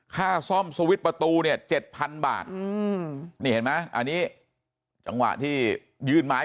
ค่าซ่อมสวิชประตูเนี่ย๗๐๐๐บาทอันนี้จังหวะที่ยืดไม้